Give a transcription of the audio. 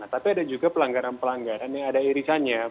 tapi ada juga pelanggaran pelanggaran yang ada irisannya